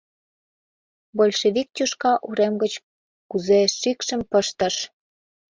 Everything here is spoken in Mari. Большевик тӱшка урем гыч кузе шикшым пыштыш!